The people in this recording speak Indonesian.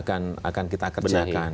akan kita kerjakan